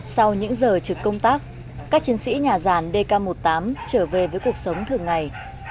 sau những giờ trực công tác các chiến sĩ nhà ràn dk một mươi tám trở về với cuộc sống thường ngày